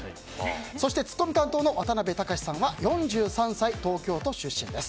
そしてツッコミ担当の渡辺隆さんは４３歳、東京都出身です。